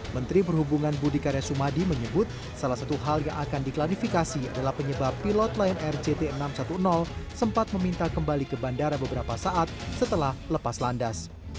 menteri perhubungan budi karya sumadi menyebut salah satu hal yang akan diklarifikasi adalah penyebab pilot lion air jt enam ratus sepuluh sempat meminta kembali ke bandara beberapa saat setelah lepas landas